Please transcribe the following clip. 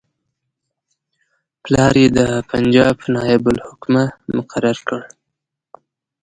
پلار یې د پنجاب نایب الحکومه مقرر کړ.